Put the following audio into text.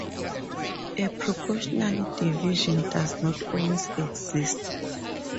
A proportional division does not always exist.